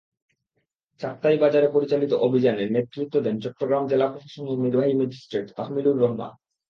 চাক্তাই বাজারে পরিচালিত অভিযানে নেতৃত্ব দেন চট্টগ্রাম জেলা প্রশাসনের নির্বাহী ম্যাজিস্ট্রেট তাহমিলুর রহমান।